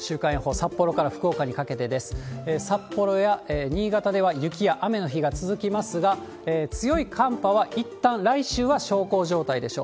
札幌や新潟では、雪や雨の日が続きますが、強い寒波はいったん来週は小康状態でしょう。